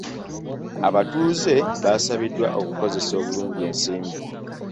Abatuuze baasabiddwa okukozesa obulungi ensimbi.